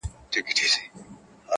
ستا د ښار د ښایستونو په رنګ ـ رنګ یم